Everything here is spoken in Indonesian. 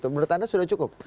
menurut anda sudah cukup